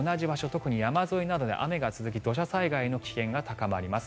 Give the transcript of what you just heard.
特に山沿いなどで雨が続き土砂災害の危険が高まります。